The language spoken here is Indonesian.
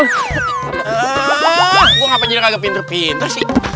saya tidak pernah menjelaskan pintar pintar